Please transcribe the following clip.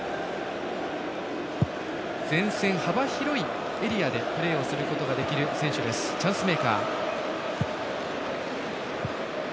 前線、幅広いエリアでプレーすることができるチャンスメーカー。